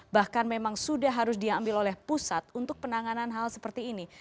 bahkan memang sudah harus diambil oleh pusat untuk penanganan hal seperti ini